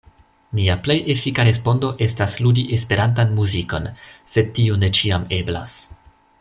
Mia plej efika respondo estas ludi Esperantan muzikon, sed tio ne ĉiam eblas.